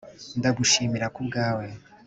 ndagushimira kubwawe.